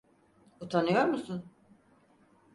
Utanıyor musun?